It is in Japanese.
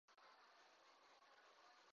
勝てるんじゃねーの